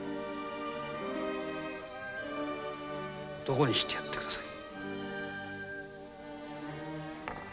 漢にしてやってください。